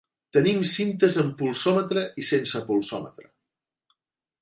Tenim cintes amb pulsòmetre i sense pulsòmetre.